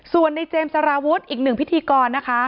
ส่วนในเจมส์สารวุฒิอีกหนึ่งพิธีกรนะคะ